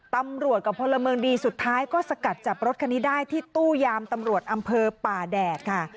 ตำรวจกับพลเมืองดีสุดท้ายก็สกัดจับรถคันนี้ได้ที่ตู้ยามตำรวจอำเภอป่าแดดค่ะ